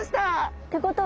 ってことは